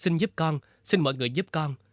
xin giúp con xin mọi người giúp con